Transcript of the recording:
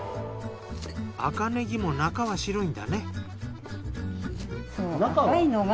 赤ねぎも中は白いんだね。